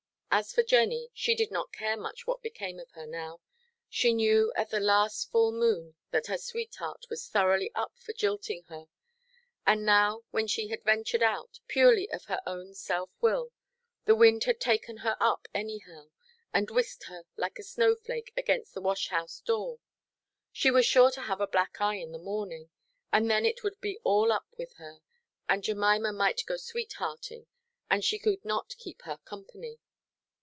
As for Jenny, she did not care much what became of her now. She knew at the last full moon that her sweetheart was thoroughly up for jilting her; and now when she had ventured out—purely of her own self–will—the wind had taken her up anyhow, and whisked her like a snow–flake against the wash–house door. She was sure to have a black eye in the morning, and then it would be all up with her; and Jemima might go sweethearting, and she could not keep her company.